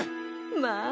まあ。